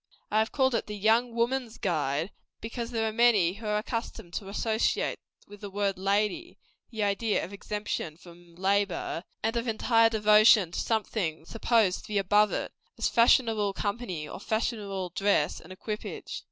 I have called it "The Young WOMAN'S Guide," because there are many who are accustomed to associate with the word lady; the idea of exemption from labor, and of entire devotion to something supposed to be above it as fashionable company, or fashionable dress and equipage.